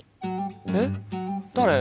えっ誰？